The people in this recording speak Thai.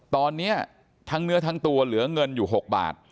ตอนนี้ทั้งเนื้อทั้งตัวเหลือเงินอยู่๖บาท